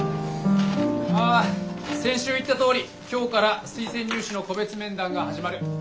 あ先週言ったとおり今日から推薦入試の個別面談が始まる。